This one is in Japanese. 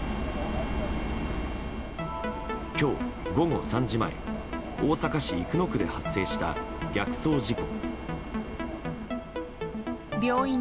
今日、午後３時前大阪市生野区で発生した逆走事故。